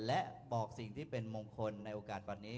และบอกสิ่งที่เป็นมงคลในโอกาสวันนี้